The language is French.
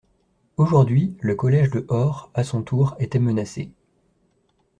Aujourd'hui le collège de Horps, à son tour, était menacé.